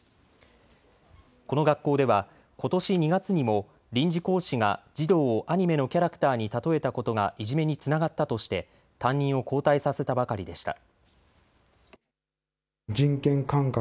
この学校ではことし２月にも臨時講師が児童をアニメのキャラクターに例えたことがいじめにつながったとして担任を交代させたばかりでした。